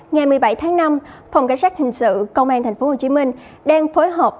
ngày một mươi bảy tháng năm phòng cảnh sát hình sự công an tp hcm đang phối hợp